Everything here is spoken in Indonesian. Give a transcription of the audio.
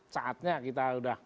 saatnya kita udah